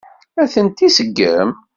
Ad ten-iseggem?